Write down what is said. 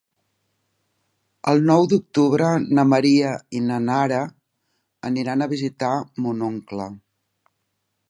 El nou d'octubre na Maria i na Nara aniran a visitar mon oncle.